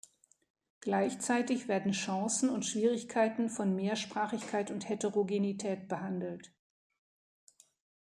Gleichzeitig werden Chancen und Schwierigkeiten von Mehrsprachigkeit und Heterogenität behandelt.